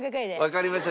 わかりました。